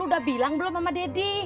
udah bilang belum sama deddy